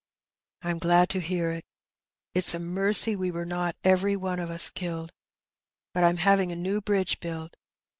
^^ I'm glad to hear it. It's a mercy we were not every one of us killed ; but I'm having a new bridge built.